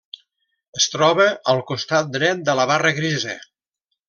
Es troba al costat dret de la barra grisa.